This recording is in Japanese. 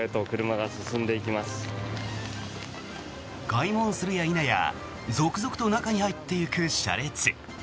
開門するや否や続々と中に入っていく車列。